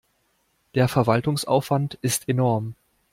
Der Verwaltungsaufwand ist enorm.